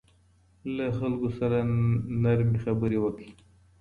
له خلکو سره نرمه خبره وکړئ.